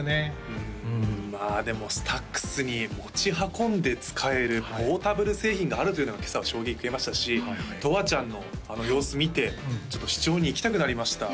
うんまあでもＳＴＡＸに持ち運んで使えるポータブル製品があるというのが今朝は衝撃受けましたしとわちゃんのあの様子見てちょっと試聴に行きたくなりました